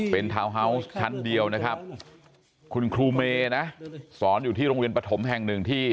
เป็นทาวน์ฮาวส์ชั้นเดียวนะครับคุณครูเมนะสอนอยู่ที่โรงเรียนปฐมแห่งหนึ่งที่